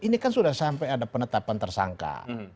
ini kan sudah sampai ada penetapan tersangka